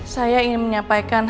saya ingin menyampaikan kepada anda